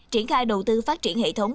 triển khai đầu tư phát triển hệ thống